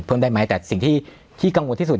ได้ไหมแต่สิ่งที่กังวลที่สุด